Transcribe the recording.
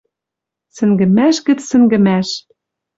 Сӹнгӹмӓш гӹц сӹнгӹмӓш.